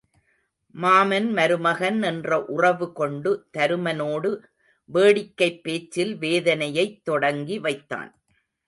மாமன் மருமகன் என்ற உறவு கொண்டு தருமனோடு வேடிக்கைப் பேச்சில் வேதனையைத் தொடங்கி வைத்தான்.